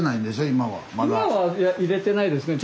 今は入れてないですね。